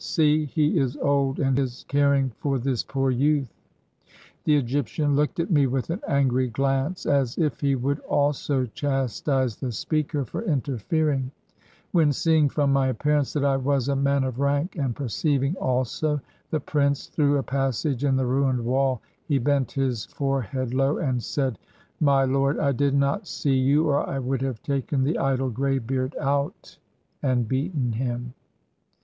See, he is old, and is caring for this poor youth!" The Egyptian looked at me with an angry glance, as 132 IN THE BRICK FIELDS if he would also chastise the speaker for interfering; when seeing from my appearance that I was a man of rank, and perceiving, also, the prince through a passage in the ruined wall, he bent his forehead low, and said: — ''My lord, I did not see you, or I would have taken the idle graybeard out and beaten him."